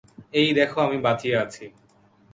এই দেখো, আমি বাঁচিয়া আছি।